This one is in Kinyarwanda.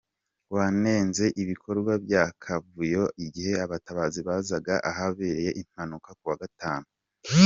Wanenze "ibikorwa by'akavuyo" igihe abatabazi bazaga ahabereye impanuka ku wa Gatanu.